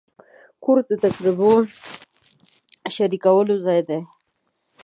کورس د تجربه شریکولو ځای دی.